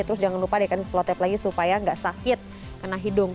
terus jangan lupa dia akan slot tape lagi supaya enggak sakit kena hidung